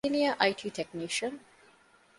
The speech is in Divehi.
ސީނިއަރ އައި.ޓީ. ޓެކްނީޝަން